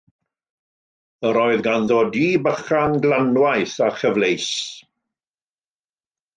Yr oedd ganddo dŷ bychan glanwaith a chyfleus.